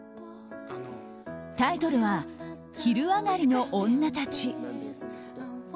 タイトルは「昼上がりのオンナたち」。